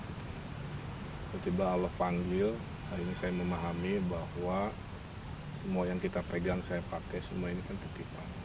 tiba tiba allah panggil hari ini saya memahami bahwa semua yang kita pegang saya pakai semua ini kan titipan